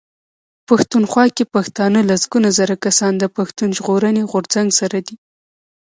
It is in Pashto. پښتونخوا کې پښتانه لسګونه زره کسان د پښتون ژغورني غورځنګ سره دي.